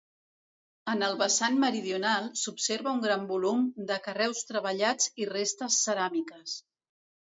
En el vessant meridional, s'observa un gran volum de carreus treballats i restes ceràmiques.